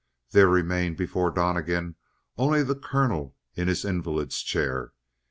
There remained before Donnegan only the colonel in his invalid's chair.